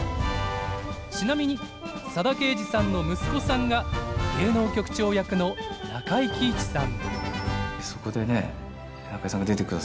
ちなみに佐田啓二さんの息子さんが芸能局長役の中井貴一さん。